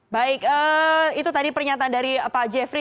baik itu tadi pernyataan dari pak jeffrey